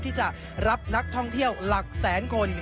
ที่จะรับนักท่องเที่ยวหลักแสนคน